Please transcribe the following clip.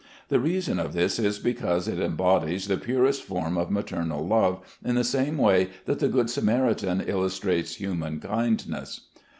The reason of this is, because it embodies the purest form of maternal love in the same way that the good Samaritan illustrates human kindness.